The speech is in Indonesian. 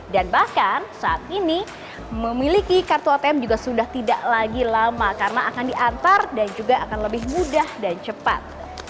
dan bahkan saat ini memiliki kartu atm juga sudah tidak lagi lama karena akan diantar dan juga akan lebih mudah dan cepat